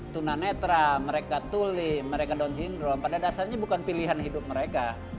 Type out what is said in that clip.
tunanetra mereka tuli mereka down syndrome pada dasarnya bukan pilihan hidup mereka